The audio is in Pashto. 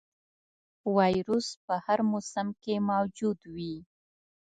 ویروس په هر موسم کې موجود وي.